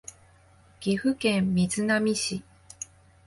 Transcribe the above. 岐阜県瑞浪市